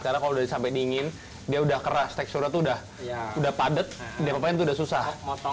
karena kalau sudah sampai dingin dia sudah keras teksturnya itu sudah padat tidak apa apa itu sudah susah